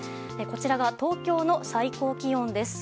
こちらが東京の最高気温です。